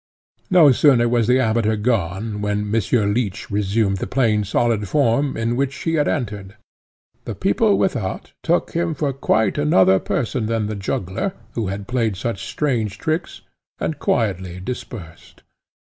No sooner was the Amateur gone than Monsieur Leech resumed the plain solid form, in which he had entered. The people, without, took him for quite another person than the juggler, who had played such strange tricks, and quietly dispersed.